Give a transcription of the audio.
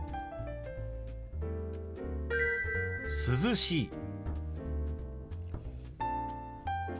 「涼しい」。